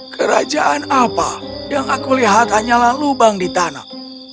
kerajaan apa yang aku lihat hanyalah lubang di tanah